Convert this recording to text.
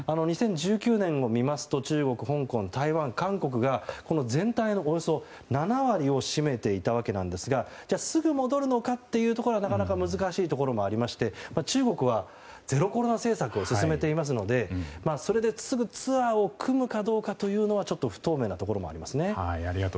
２０１９年を見ますと中国、香港、台湾、韓国が全体のおよそ７割を占めていたわけですがじゃあ、すぐに戻るのかというとなかなか難しいところがありまして中国はゼロコロナ政策を進めていますので、すぐツアーを組むかどうかというのはちょっと不透明なところがありますね。